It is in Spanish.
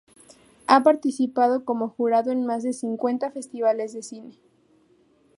Ha participado como jurado en más de cincuenta festivales de cine.